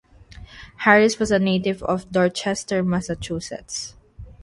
Harris was a native of Dorchester, Massachusetts.